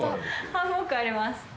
ハンモックあります。